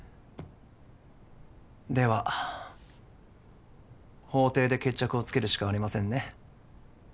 では法廷で決着をつけるしかありませんね